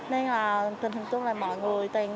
nên là tình hình trong là mọi người